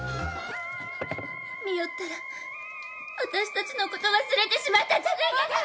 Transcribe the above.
澪ったら私たちの事忘れてしまったんじゃないかと。